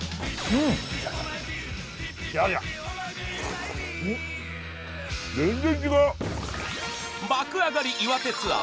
うん全然違う爆上がり岩手ツアー